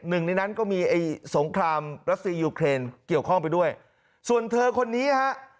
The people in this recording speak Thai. หนึ่งในนั้นก็มีไอ้สงครามรัสซียูเครนเกี่ยวข้องไปด้วยส่วนเธอคนนี้ฮะ